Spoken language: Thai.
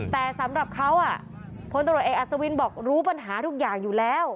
แต่สำหรับเขาพลตรวจเอกอัศวินบอกรู้ปัญหาทุกอย่างอยู่แล้ว